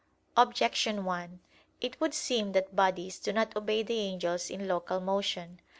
Objection 1: It would seem that bodies do not obey the angels in local motion.